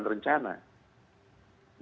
karena sudah ada rencana